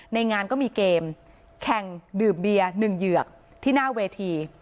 ในงานก็มีเกมแข่งดื่มเบียร์๑เหยือกที่หน้าเวที